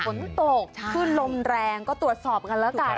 ฝนตกขึ้นลมแรงก็ตรวจสอบกันแล้วกัน